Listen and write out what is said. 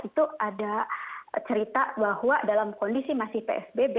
itu ada cerita bahwa dalam kondisi masih psbb